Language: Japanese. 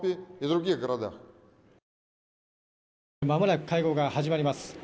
まもなく会合が始まります。